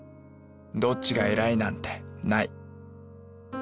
どっちが偉いなんてない。